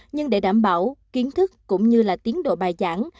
nhưng để đảm bảo kiến thức cũng như là tiến độ bài giảng